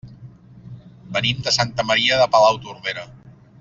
Venim de Santa Maria de Palautordera.